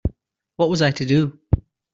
What was I to do?